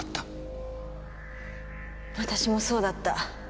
私もそうだった。